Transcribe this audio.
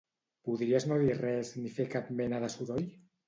Podries no dir res ni fer cap mena de soroll?